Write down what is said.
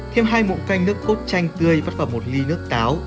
thêm hai bộ canh nước cốt chanh tươi vắt vào một ly nước táo